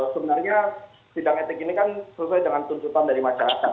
sebenarnya sidang etik ini kan sesuai dengan tuntutan dari masyarakat